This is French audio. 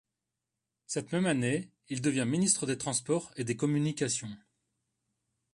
Cette même année, il devient ministre des Transports et des Communications.